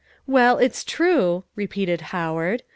"Well, it's true," repeated Howard.